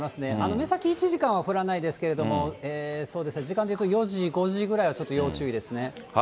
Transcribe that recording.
目先１時間は降らないですけれども、そうですね、時間でいうと４時、５時ぐらいはちょっと要注意ですね。